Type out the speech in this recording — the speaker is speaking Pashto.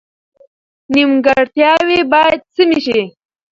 نیمګړتیاوې باید سمې شي.